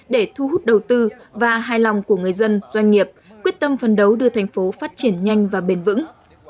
để thu hút đầu tư và hài lòng của người dân doanh nghiệp quyết tâm phân đấu đưa thành phố phát triển nhanh và bền vững